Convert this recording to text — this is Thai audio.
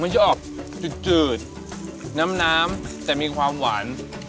จะออกจืดน้ำน้ำแต่มีความหวาน